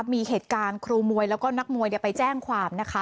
มีเหตุการณ์ครูมวยแล้วก็นักมวยไปแจ้งความนะคะ